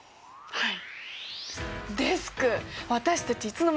はい。